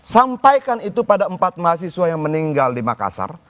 sampaikan itu pada empat mahasiswa yang meninggal di makassar